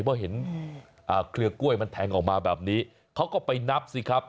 เพราะเห็นเครือกล้วยมันแทงออกมาแบบนี้เขาก็ไปนับสิครับ